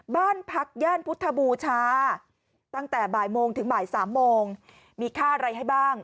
บ้านพักย่านพุทธบูชาตั้งแต่บ่ายโมงถึงบ่าย๓โมงมีค่าอะไรให้บ้าง